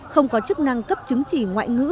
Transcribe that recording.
không có chức năng cấp chứng chỉ ngoại ngữ